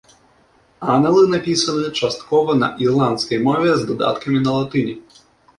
Аналы напісаны часткова на ірландскай мове з дадаткамі на латыні.